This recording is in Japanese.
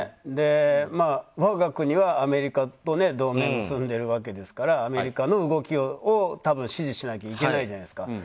我が国はアメリカと同盟を結んでるわけですからアメリカの動きを多分、支持しなきゃいけないじゃないですか。